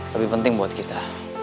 lebih penting buat kita